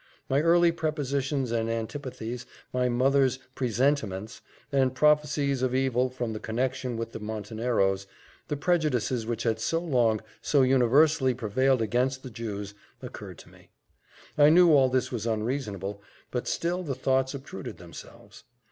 My early prepossessions and antipathies, my mother's presentiments, and prophecies of evil from the connexion with the Monteneros, the prejudices which had so long, so universally prevailed against the Jews, occurred to me. I knew all this was unreasonable, but still the thoughts obtruded themselves.